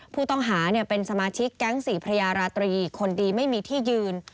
ผู้ต้องหาเป็นสมาชิกแก๊งสี่พระยาราตรีคนดีไม่มีที่ยืน